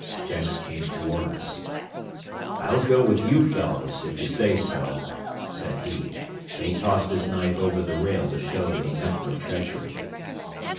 Jenks came toward us. "I'll go with you fellows if you say so," said he, and he tossed his knife over the rail to show that he meant no treachery.